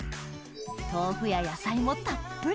豆腐や野菜もたっぷり！